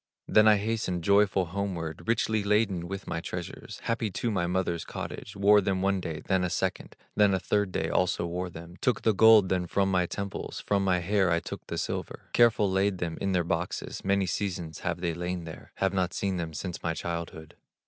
Then I hastened joyful homeward, Richly laden with my treasures, Happy to my mother's cottage; Wore them one day, than a second, Then a third day also wore them, Took the gold then from my temples, From my hair I took the silver, Careful laid them in their boxes, Many seasons have they lain there, Have not seen them since my childhood.